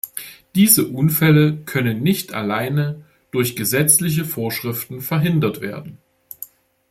Diese Unfälle können nicht alleine durch gesetzliche Vorschriften verhindert werden.